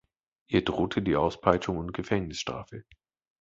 Ihr drohte die Auspeitschung und Gefängnisstrafe.